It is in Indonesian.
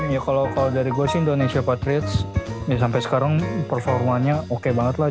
ya kalo dari gue sih indonesia patriots ya sampe sekarang performanya oke banget lah